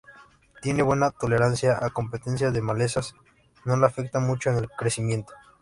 Tiene buena tolerancia a competencia de malezas, no la afecta mucho en el crecimiento.